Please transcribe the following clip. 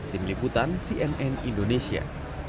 tim liputan cnn indonesia